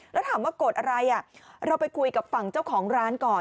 แล้วถามว่าโกรธอะไรเราไปคุยกับฝั่งเจ้าของร้านก่อน